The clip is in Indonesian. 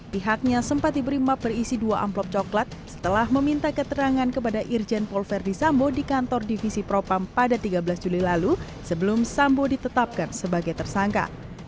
pihaknya sempat diberi map berisi dua amplop coklat setelah meminta keterangan kepada irjen pol verdi sambo di kantor divisi propam pada tiga belas juli lalu sebelum sambo ditetapkan sebagai tersangka